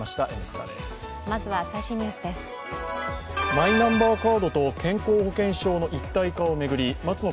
マイナンバーカードと健康保険証の一体化を巡り松野